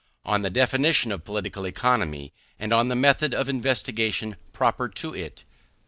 ON THE DEFINITION OF POLITICAL ECONOMY; AND ON THE METHOD OF INVESTIGATION PROPER TO IT.